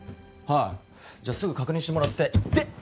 はいじゃすぐ確認してもらってイッテ！